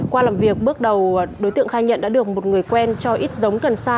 qua làm việc bước đầu đối tượng khai nhận đã được một người quen cho ít giống cần sa